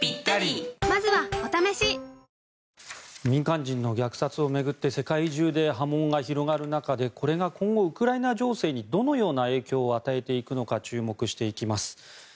民間人の虐殺を巡って世界中で波紋が広がる中でこれが今後、ウクライナ情勢にどのような影響を与えていくのか注目していきます。